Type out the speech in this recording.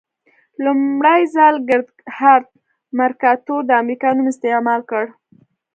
لومړي ځل ګردهارد مرکاتور د امریکا نوم استعمال کړ.